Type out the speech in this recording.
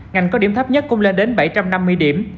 ngành có điểm thấp nhất cũng lên đến bảy trăm năm mươi điểm